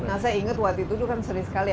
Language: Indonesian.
nah saya ingat waktu itu kan sering sekali